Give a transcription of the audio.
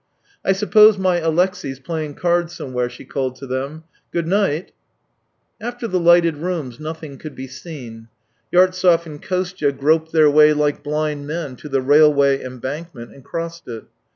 " I suppose my Alexey's playing cards some where," she called to them. " Good night !" After the lighted rooms nothing could be seen. Yartsev and Kostya groped their way like blind men to the railway embankment and crossed it.